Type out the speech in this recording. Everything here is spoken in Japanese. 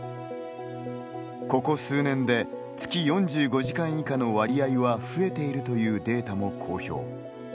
ここ数年で、月４５時間以下の割合は増えているというデータも公表。